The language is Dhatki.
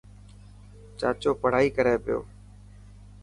چاچو پڙهائي ڪري پيو.